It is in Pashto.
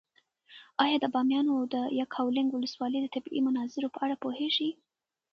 ایا د بامیانو د یکاولنګ ولسوالۍ د طبیعي مناظرو په اړه پوهېږې؟